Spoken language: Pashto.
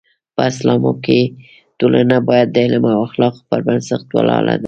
په اسلام کې ټولنه باید د علم او اخلاقو پر بنسټ ولاړه ده.